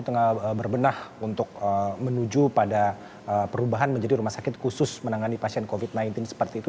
tengah berbenah untuk menuju pada perubahan menjadi rumah sakit khusus menangani pasien covid sembilan belas seperti itu